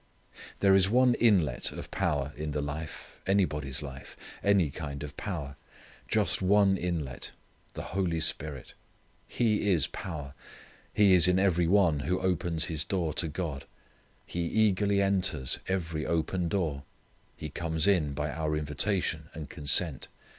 There is one inlet of power in the life anybody's life any kind of power: just one inlet the Holy Spirit. He is power. He is in every one who opens his door to God. He eagerly enters every open door. He comes in by our invitation and consent.